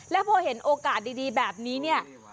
แล้วพอเห็นโอกาสดีแบบนี้เนี่ย